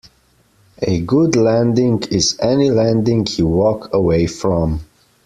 A good landing is any landing you walk away from.